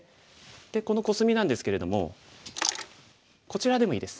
でこのコスミなんですけれどもこちらでもいいです。